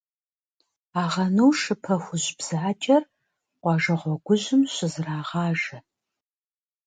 Агъэну шы пэхужь бзаджэр къуажэ гъуэгужьым щызэрагъажэ.